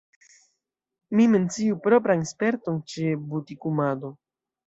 Mi menciu propran sperton ĉe butikumado.